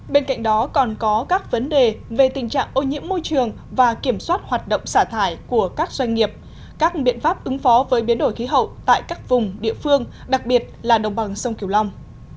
bên cạnh đó còn có các vấn đề về tình trạng ô nhiễm môi trường và kiểm soát hoạt động xả thải của các doanh nghiệp các biện pháp ứng phó với biến đổi khí hậu tại các vùng địa phương đặc biệt là đồng bằng sông kiều long